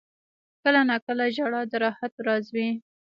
• کله ناکله ژړا د راحت راز وي.